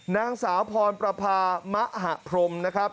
นางสาวพรประพามะหพรมนะครับ